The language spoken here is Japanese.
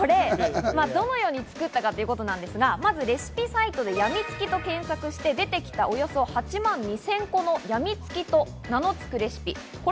どのように作ったかということなんですが、まずレシピサイトでやみつきと検索して出てきた、およそ８万２０００個のやみつきと名のつくレシピ。